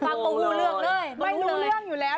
ต้องหู้เรื่องเลยไม่รู้เรื่องอยู่แล้ว